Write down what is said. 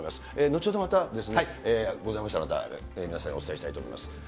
後ほどまたございましたらまたお伝えしたいと思います。